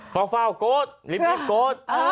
พลาดกดดูกดลิบกด